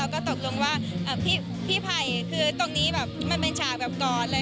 ก็ตกลงว่าพี่ไผ่คือตรงนี้แบบมันเป็นฉากแบบก่อนเลย